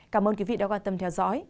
cảm ơn quý vị đã quan tâm theo dõi